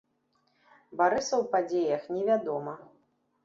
Барыса ў падзеях не вядома.